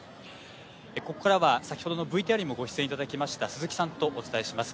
ここからは、先ほどのＶＴＲにもご出演いただきました鈴木さんとお伝えします。